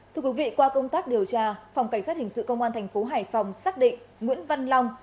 thưa quý vị qua công tác điều tra phòng cảnh sát hình sự công an thành phố hải phòng xác định nguyễn văn long